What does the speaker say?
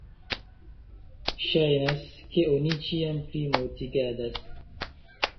Ŝajnas, ke oni ĉiam pli mortigadas.